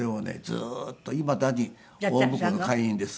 ずーっといまだに大向こうの会員です。